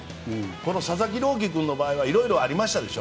この佐々木朗希君の場合は色々ありましたでしょ。